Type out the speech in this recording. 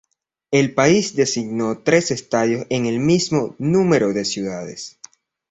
El país designó tres estadios en el mismo número de ciudades.